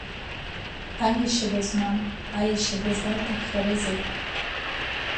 Аиашьа дызмам, аиашьа дызлалҭаххарызеи?!